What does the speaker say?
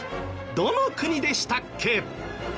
どの国でしたっけ？